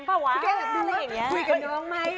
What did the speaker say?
พี่แก่ละวะคุยกับน้องไหม